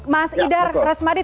mas idhar resmadi terima kasih